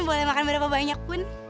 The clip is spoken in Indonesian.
boleh makan berapa banyak pun